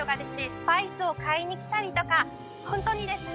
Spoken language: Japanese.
スパイスを買いに来たりとかホントにですね